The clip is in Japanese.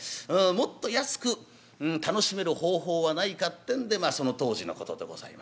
もっと安く楽しめる方法はないかってんでその当時のことでございます。